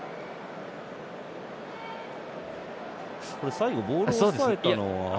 最後、ボールをおさえたのは。